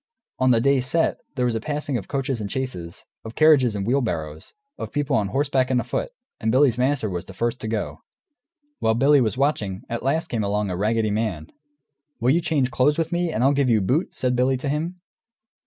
On the day set, there was passing of coaches and chaises, of carriages and wheelbarrows, people on horseback and afoot, and Billy's master was the first to go. While Billy was watching, at last came along a raggedy man. "Will you change clothes with me, and I'll give you boot?" said Billy to him.